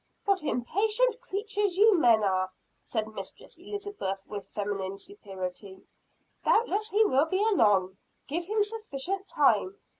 "What impatient creatures you men are!" said Mistress Elizabeth with feminine superiority. "Doubtless he will be along. Give him sufficient time.